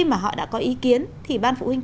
mà họ đã có ý kiến thì ban phụ huynh